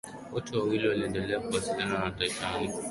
wote wawili waliendelea kuwasiliana na titanic